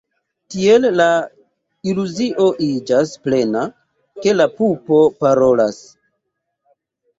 Tiel la iluzio iĝas plena, ke la pupo parolas.